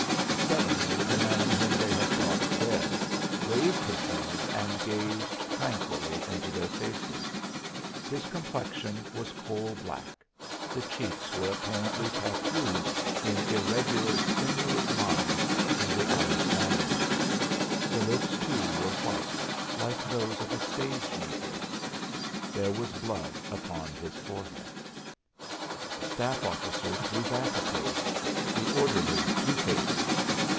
Suddenly the man whom they had thought dead raised his head and gazed tranquilly into their faces. His complexion was coal black; the cheeks were apparently tattooed in irregular sinuous lines from the eyes downward. The lips, too, were white, like those of a stage negro. There was blood upon his forehead. The staff officer drew back a pace, the orderly two paces.